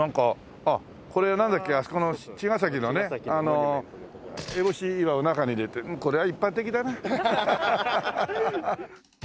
あっこれはなんだっけ？あそこの茅ヶ崎のねえぼし岩を中に入れてこれは一般的だな。